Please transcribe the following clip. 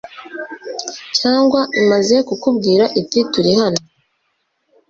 cyangwa imaze kukubwira iti 'turi hano'